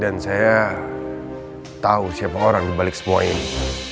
dan saya tau siapa orang di balik semua ini